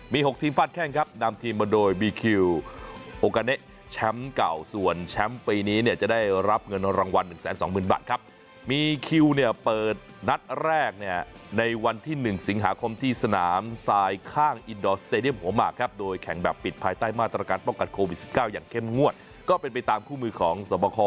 มี๖ทีมฟาดแข้งครับนำทีมมาโดยบีคิวโอกาเนแชมป์เก่าส่วนแชมป์ปีนี้เนี่ยจะได้รับเงินรางวัล๑๒๐๐๐บาทครับมีคิวเนี่ยเปิดนัดแรกเนี่ยในวันที่๑สิงหาคมที่สนามทรายข้างอินดอร์สเตดียมหัวหมากครับโดยแข่งแบบปิดภายใต้มาตรการป้องกันโควิด๑๙อย่างเข้มงวดก็เป็นไปตามคู่มือของสวบค